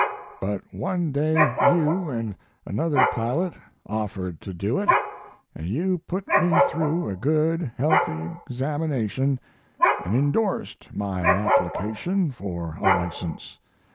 But one day you and another pilot offered to do it, and you put me through a good, healthy examination and indorsed my application for a license.